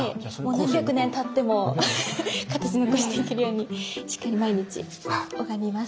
何百年たっても形残していけるようにしっかり毎日拝みます。